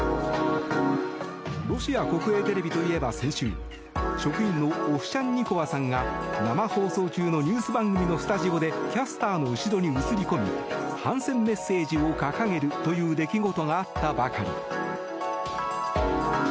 ロシア国営テレビといえば先週職員のオフシャンニコワさんが生放送中のニュース番組のスタジオでキャスターの後ろに映り込み反戦メッセージを掲げるという出来事があったばかり。